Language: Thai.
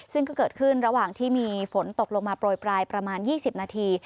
ซึ่งก็เกิดขึ้นระหว่างที่มีฝนตกลงมาโปรยปลายประมาณ๒๐นาที